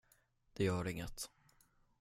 Det gör inget.